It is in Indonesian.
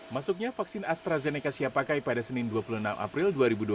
masuknya vaksin astrazeneca siap pakai pada senin dua puluh enam april dua ribu dua puluh